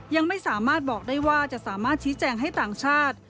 ยังไม่สามารถบอกได้ว่าจะสามารถชี้แจงให้ต่างชาติ